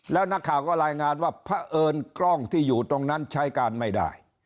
แล้วนักข่าวก็รายงานว่าพระเอิญกล้องที่อยู่ตรงนั้นใช้การไม่ได้